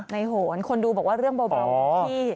โหนคนดูบอกว่าเรื่องเบาที่